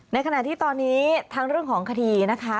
ในขณะที่ตอนนี้ทั้งเรื่องของคดีนะคะ